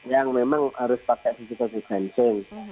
yang memang harus pakai situasi sensing